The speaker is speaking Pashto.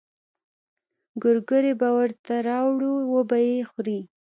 ګورګورې به ورته راوړو وبه يې خوري.